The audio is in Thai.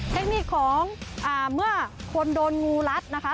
เทคนิคของเมื่อคนโดนงูรัดนะคะ